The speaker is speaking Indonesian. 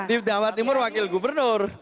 di jawa timur wakil gubernur